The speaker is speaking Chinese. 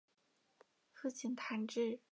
父亲谭智。